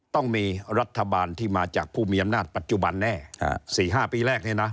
ต้องมีรัฐบาลที่มาจากผู้มีอำนาจปัจจุบันแน่๔๕ปีแรกเนี่ยนะ